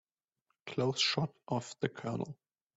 Close shot of the COLONEL.